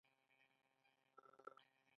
ایا زه باید ارام شم؟